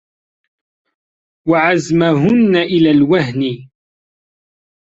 وَعَزْمَهُنَّ إلَى الْوَهْنِ